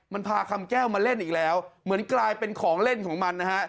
มันพาคำแก้วมาเล่นอีกแล้วเหมือนกลายเป็นของเล่นของมันนะฮะ